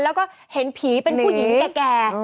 แล้วก็เห็นผีเป็นผู้หญิงแก่